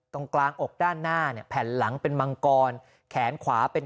ตรงกลางอกด้านหน้าเนี่ยแผ่นหลังเป็นมังกรแขนขวาเป็น